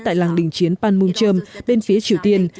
tại làng đình chiến panmunjom bên phía triều tiên